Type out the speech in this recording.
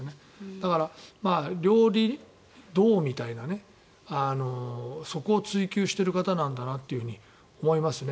だから、料理道みたいなそこを追及している方なんだなと思いますね。